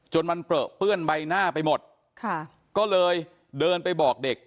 จนมันเปลือเปื้อนใบหน้าไปหมดค่ะก็เลยเดินไปบอกเด็ก